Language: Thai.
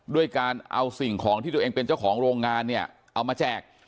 ด้วยการเอาสิ่งของที่ตัวเองเป็นเจ้าของโรงงานเนี่ยเอามาแจก